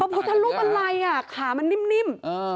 พระพุทธรูปมันอะไรขามันนิ่ม